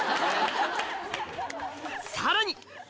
さらに！